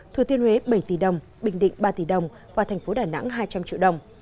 thừa thiên huế bảy tỷ đồng bình định ba tỷ đồng và thành phố đà nẵng hai trăm linh triệu đồng